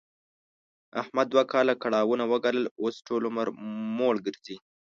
احمد دوه کاله کړاوونه و ګالل، اوس ټول عمر موړ ګرځي.